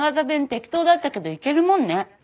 弁適当だったけどいけるもんね。